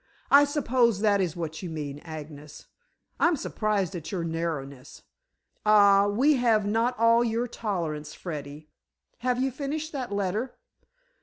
I suppose that is what you mean, Agnes. I'm surprised at your narrowness." "Ah, we have not all your tolerance, Freddy. Have you finished that letter?"